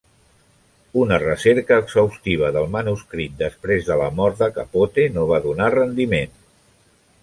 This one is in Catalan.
Una recerca exhaustiva del manuscrit després de la mort de Capote no va donar rendiment.